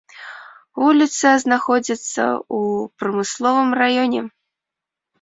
Вуліца знаходзіцца ў прамысловым раёне.